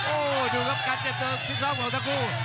โอ้ดูครับการเจ็บเติบชิ้นซองของทั้งคู่